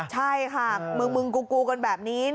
ใช่ค่ะมึงกูกันแบบนี้